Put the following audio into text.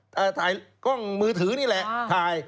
แต่ถ่ายกล้องมือถือนี่แหละถ่าย